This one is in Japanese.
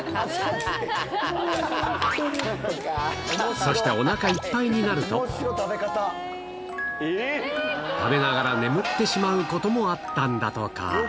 そしておなかいっぱいになると、食べながら眠ってしまうこともあったんだとか。